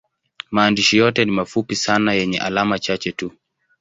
Maandishi yote ni mafupi sana yenye alama chache tu.